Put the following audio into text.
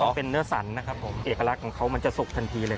เป็นเนื้อสันนะครับผมเอกลักษณ์ของเขามันจะสุกทันทีเลย